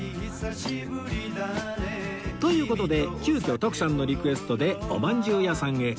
という事で急きょ徳さんのリクエストでおまんじゅう屋さんへ